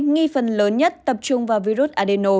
nghi phần lớn nhất tập trung vào virus adeno